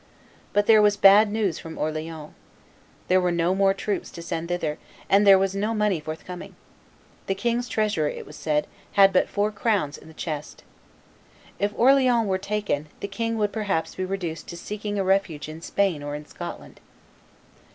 But there was bad news from Orleans. There were no more troops to send thither, and there was no money forthcoming: the king's treasurer, it was said, had but four crowns in the chest. If Orleans were taken, the king would perhaps be reduced to seeking a refuge in Spain or in Scotland.